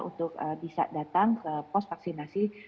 untuk bisa datang ke pos vaksinasi